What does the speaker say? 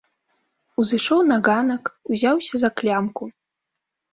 Узышоў на ганак, узяўся за клямку.